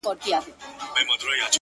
ماته را پاتې دې ښېرې; هغه مي بيا ياديږي;